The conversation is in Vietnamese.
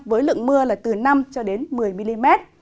với lượng mưa từ năm một mươi mm